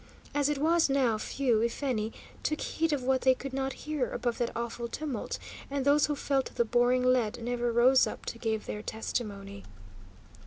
As it was now, few, if any, took heed of what they could not hear above that awful tumult, and those who felt the boring lead never rose up to give their testimony.